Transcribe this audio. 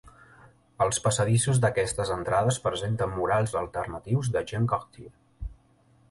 Els passadissos d'aquestes entrades presenten murals alternatius de Jean Cartier.